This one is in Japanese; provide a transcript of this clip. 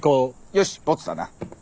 よしボツだな。